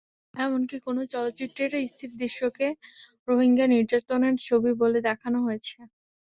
এমনকি কোনো চলচ্চিত্রের স্থির দৃশ্যকে রোহিঙ্গা নির্যাতনের ছবি বলে দেখানো হয়েছে।